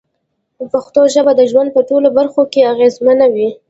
پښتو ژبه د ژوند په ټولو برخو کې اغېزمنه وي.